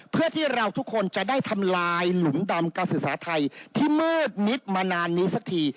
เพื่อที่เราทุกคนจะได้ทำลายหลุมดำการศึกษาไทยที่มืดมิดมานานนี้สักที